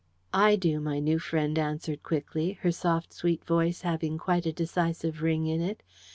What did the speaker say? "I do," my new friend answered quickly, her soft sweet voice having quite a decisive ring in it.